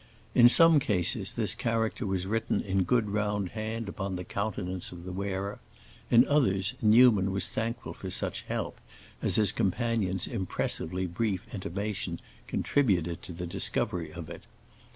In some cases this character was written in good round hand upon the countenance of the wearer; in others Newman was thankful for such help as his companion's impressively brief intimation contributed to the discovery of it.